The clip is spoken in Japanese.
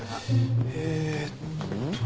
えーっと。